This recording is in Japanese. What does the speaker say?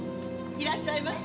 いらっしゃいませ。